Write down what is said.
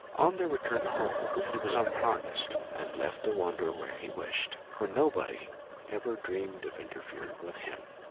On their return home he was unharnessed, and left to wander where he wished, for nobody ever dreamed of interfering with him.